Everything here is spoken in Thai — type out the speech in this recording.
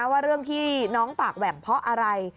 ว่าเรื่องที่น้องปากแหว่งเพราะอะไร